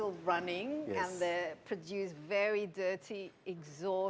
lebih dekat dari perusahaan tersebut